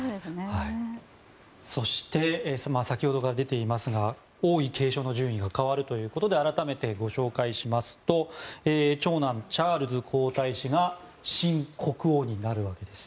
そして先ほどから出ていますが王位継承の順位が変わるということで改めてご紹介しますと長男チャールズ皇太子が新国王になるわけです。